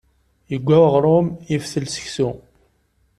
Iggwa uɣṛum, iftel seksu.